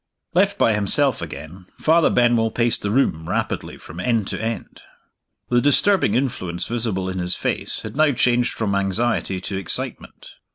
Left by himself again, Father Benwell paced the room rapidly from end to end. The disturbing influence visible in his face had now changed from anxiety to excitement.